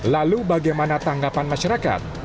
lalu bagaimana tanggapan masyarakat